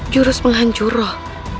jurus penghancur roh